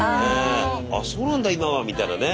「あっそうなんだ今は」みたいなね。